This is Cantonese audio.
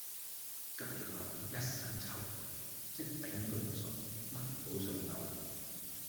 隔離嗰男人 ㄧ 身臭狐味，真係頂佢唔順，聞到想嘔